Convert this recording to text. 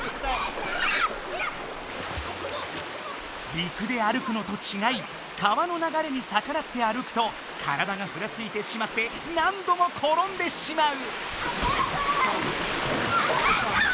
陸で歩くのとちがい川のながれにさからって歩くと体がふらついてしまって何どもころんでしまう。